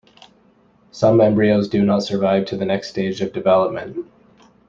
Some embryos do not survive to the next stage of development.